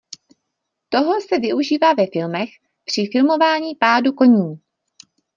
Toho se využívá ve filmech při filmování pádů koní.